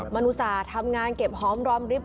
มันอุตส่าห์ทำงานเก็บหอมรอมริบ